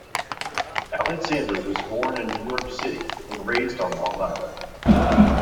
Alexander was born in New York City and raised on Long Island.